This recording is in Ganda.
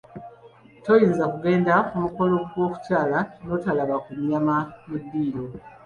Toyinza kugenda ku mukolo gw’okukyala n’otalaba ku nnyama mu ddiro.